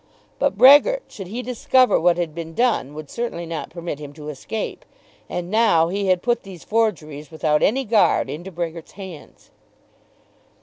But Brehgert, should he discover what had been done, would certainly not permit him to escape. And now he had put these forgeries without any guard into Brehgert's hands.